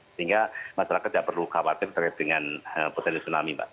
sehingga masyarakat tidak perlu khawatir terhadap dengan potensi tsunami